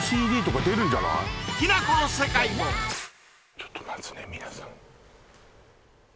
ちょっとまずね皆さん